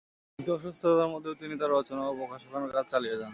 কিন্তু অসুস্থতার মধ্যেও তিনি তাঁর রচনা ও প্রকাশনার কাজ চালিয়ে যান।